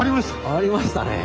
ありましたねえ。